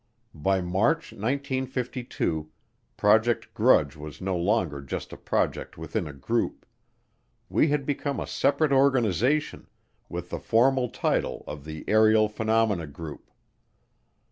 By March 1952, Project Grudge was no longer just a project within a group; we had become a separate organization, with the formal title of the Aerial Phenomena Group.